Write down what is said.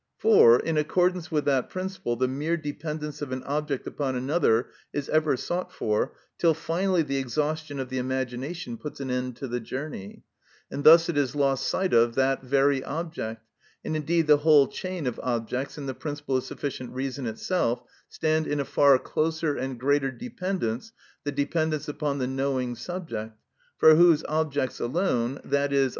For, in accordance with that principle, the mere dependence of an object upon another is ever sought for, till finally the exhaustion of the imagination puts an end to the journey; and thus it is lost sight of that every object, and indeed the whole chain of objects and the principle of sufficient reason itself, stand in a far closer and greater dependence, the dependence upon the knowing subject, for whose objects alone, _i.e.